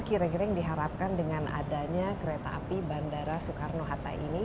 kira kira yang diharapkan dengan adanya kereta api bandara soekarno hatta ini